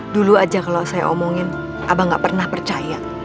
dulu aja kalau saya omongin abang nggak pernah percaya